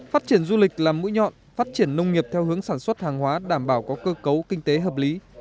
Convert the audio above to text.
phát triển du lịch làm mũi nhọn phát triển nông nghiệp theo hướng sản xuất hàng hóa đảm bảo có cơ cấu kinh tế hợp lý